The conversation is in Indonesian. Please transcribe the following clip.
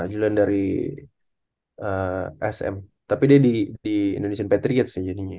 julian dari sm tapi dia di indonesian patriots sih jadinya